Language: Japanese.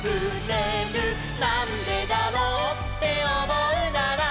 「なんでだろうっておもうなら」